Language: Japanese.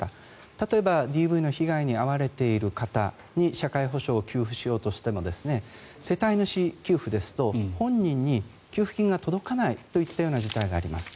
例えばＤＶの被害に遭われている方に社会保障を給付しようとしても世帯主給付ですと本人に給付金が届かないといったような事態があります。